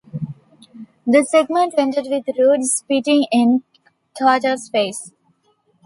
The segment ended with Roode spitting in Carter's face.